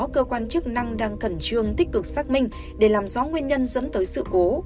cơ quan chức năng đang khẩn trương tích cực xác minh để làm rõ nguyên nhân dẫn tới sự cố